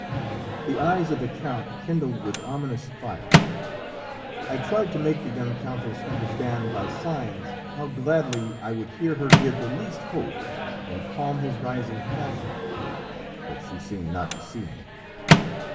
The eyes of the count kindled with an ominous fire. I tried to make the young countess understand by signs how gladly I would hear her give the least hope, and calm his rising passion; but she seemed not to see me.